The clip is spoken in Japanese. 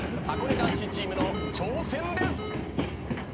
はこね男子チームの挑戦です！